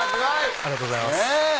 ありがとうございます。